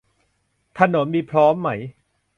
ถนนมีพร้อมไหม